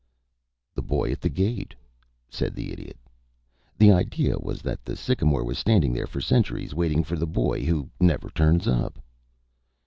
"'The boy at the gate,'" said the Idiot. "The idea was that the sycamore was standing there for centuries waiting for the boy who never turns up."